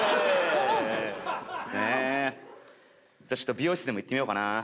美容室でも行ってみようかな。